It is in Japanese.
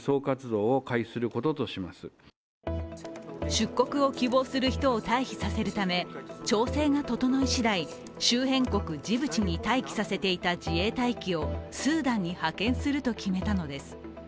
出国を希望する人を退避させるため調整が整いしだい、周辺国ジブチに待機させていた自衛隊機をスーダンに派遣すると決めたのです。